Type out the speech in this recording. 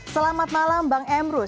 selamat malam m rusi